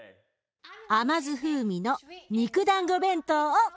甘酢風味の肉だんご弁当をつくるわよ。